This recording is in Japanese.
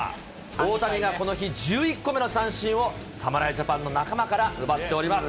大谷がこの日１１個目の三振を、侍ジャパンの仲間から奪っております。